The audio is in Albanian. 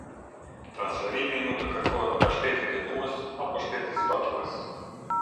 Transferimi mund të kërkohet nga Shteti dënues apo Shteti zbatues.